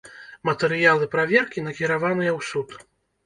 Матэрыялы праверкі накіраваныя ў суд.